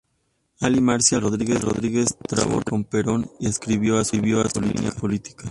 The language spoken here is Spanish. Allí Marcial Rodríguez trabó relación con Perón y adscribió a su línea política.